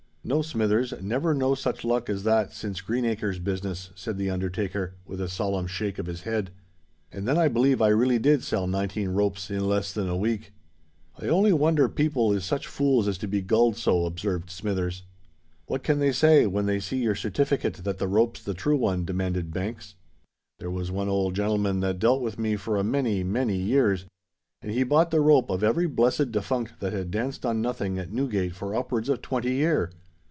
"No, Smithers—never no such luck as that since Greenacre's business," said the undertaker, with a solemn shake of his head; "and then I believe I really did sell nineteen ropes in less than a week." "I only wonder people is such fools as to be gulled so," observed Smithers. "What can they say, when they see your certifikit that the rope's the true one?" demanded Banks. "There was one old gen'leman that dealt with me for a many—many years; and he bought the rope of every blessed defunct that had danced on nothing at Newgate for upwards of twenty year!